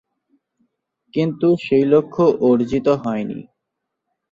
কিন্তু সেই লক্ষ্য অর্জিত হয়নি।